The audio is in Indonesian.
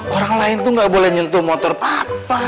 orang lain tuh gak boleh nyentuh motor papa